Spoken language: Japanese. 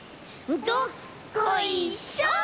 どっこいしょ！